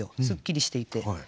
すっきりしていて。